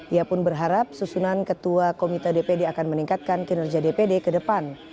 ia pun berharap susunan ketua komite dpd akan meningkatkan kinerja dpd ke depan